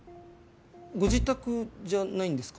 ご自宅じゃないんですか？